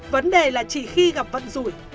vấn đề là chỉ khi gặp vận rủi